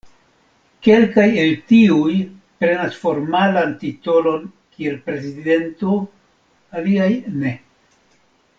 Kelkaj el tiuj prenas formalan titolon kiel "prezidento", aliaj ne.